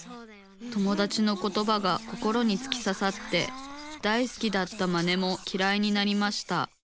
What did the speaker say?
友だちのことばが心につきささって大好きだったマネもきらいになりました。